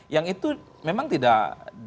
yang itu memang tidak